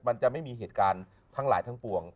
มันจะไม่มีเหตุการณ์ทั้งหลายทั้งปวง